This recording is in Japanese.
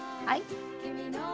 はい。